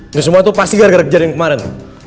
ini semua itu pasti gara gara kejadian kemarin